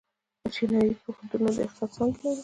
چینايي پوهنتونونه د اقتصاد څانګې لري.